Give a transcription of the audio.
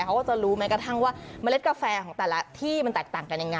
เขาก็จะรู้แม้กระทั่งว่าเมล็ดกาแฟของแต่ละที่มันแตกต่างกันยังไง